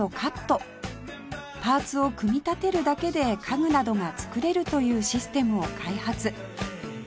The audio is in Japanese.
パーツを組み立てるだけで家具などが作れるというシステムを開発